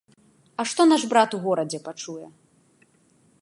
А што наш брат у горадзе пачуе?